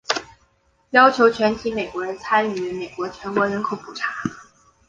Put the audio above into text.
要求全体美国人参与美国全国人口普查。